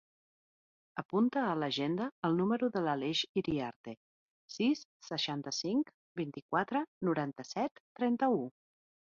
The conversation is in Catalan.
Apunta a l'agenda el número de l'Aleix Iriarte: sis, seixanta-cinc, vint-i-quatre, noranta-set, trenta-u.